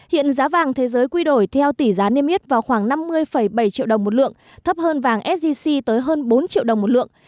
hiện giá vàng thế giới quy đổi theo tỷ giá niêm yết vào khoảng năm mươi bảy triệu đồng một lượng thấp hơn vàng sgc tới hơn bốn triệu đồng một lượng